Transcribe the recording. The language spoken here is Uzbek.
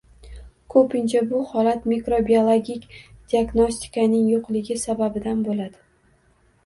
Ko‘pincha bu holat mikrobiologik diagnostikaning yo‘qligi sababidan bo‘ladi.